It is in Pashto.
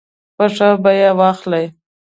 په ښه بیه یې واخلي.